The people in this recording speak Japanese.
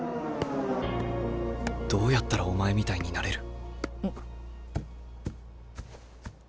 どうやったらお前みたいになれる？